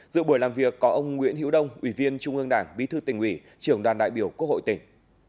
dự buổi làm việc có ông nguyễn hữu đông ủy viên trung ương đảng bí thư tỉnh ủy trưởng đoàn đại biểu quốc hội tỉnh